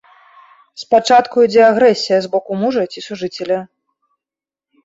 Спачатку ідзе агрэсія з боку мужа ці сужыцеля.